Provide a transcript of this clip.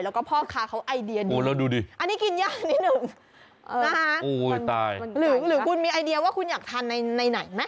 แล้วก็พ่อค้าเขาไอเดียดูแล้วดูดิอันนี้กินย่างนิดนึงนะคะหรือคุณมีไอเดียว่าคุณอยากทานในไหนไหม